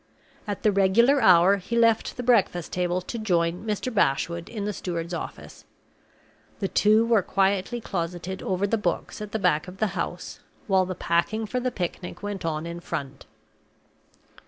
At the regular hour he left the breakfast table to join Mr. Bashwood in the steward's office. The two were quietly closeted over the books, at the back of the house, while the packing for the picnic went on in front.